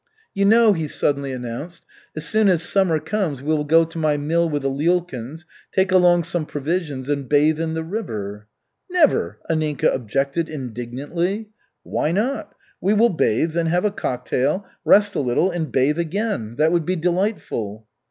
"You know," he suddenly announced, "as soon as summer comes we will go to my mill with the Lyulkins, take along some provisions and bathe in the river." "Never!" Anninka objected indignantly. "Why not? We will bathe, then have a cocktail, rest a little, and bathe again. That would be delightful."